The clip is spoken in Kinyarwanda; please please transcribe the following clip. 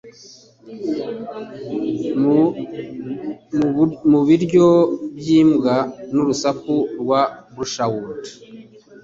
mu biryo by'imbwa n'urusaku rwa brushwood